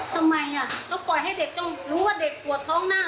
ทำไมต้องปล่อยให้เด็กต้องรู้ว่าเด็กปวดท้องหน้า